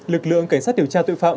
lực lượng cảnh sát điều tra tội phạm